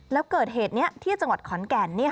แล้วเกิดเหตุนี้ที่จังหวัดขอนแก่น